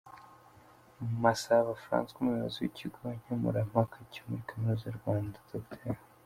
Masabo Francois, Umuyobozi w’Ikigo nkemurampaka cyo muri Kaminuza y’u Rwanda, Dr.